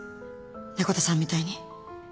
猫田さんみたいに。